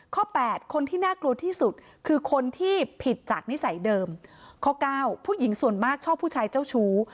แปดคนที่น่ากลัวที่สุดคือคนที่ผิดจากนิสัยเดิมข้อเก้าผู้หญิงส่วนมากชอบผู้ชายเจ้าชู้